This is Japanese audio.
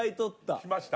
きました？